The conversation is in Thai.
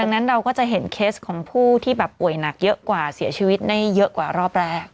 ดังนั้นเราก็จะเห็นเคสของผู้ที่แบบป่วยหนักเยอะกว่าเสียชีวิตได้เยอะกว่ารอบแรก